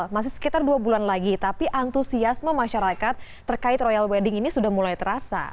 masih sekitar dua bulan lagi tapi antusiasme masyarakat terkait royal wedding ini sudah mulai terasa